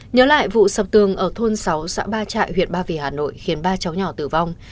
nhớ lại vụ sập tường ở thôn sáu xã ba trại huyện ba vì hà nội khiến ba cháu nhỏ tử vong